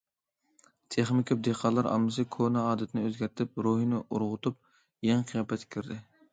تېخىمۇ كۆپ دېھقانلار ئاممىسى كونا ئادىتىنى ئۆزگەرتىپ، روھنى ئۇرغۇتۇپ، يېڭى قىياپەتكە كىردى.